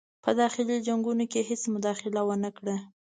په داخلي جنګونو کې یې هیڅ مداخله ونه کړه.